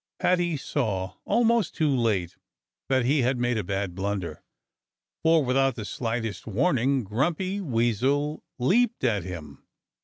Paddy saw, almost too late, that he had made a bad blunder. For without the slightest warning Grumpy Weasel leaped at him.